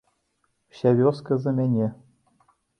Уся вёска за мяне.